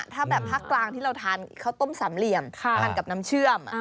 ถ้าแบบภาคกลางที่เราทานข้าวต้มสามเหลี่ยมทานกับน้ำเชื่อม